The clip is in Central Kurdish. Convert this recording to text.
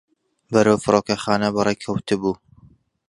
بەرەو فڕۆکەخانە بەڕێکەوتبوو.